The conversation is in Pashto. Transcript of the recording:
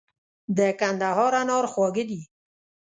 د کندهار انار خواږه دي.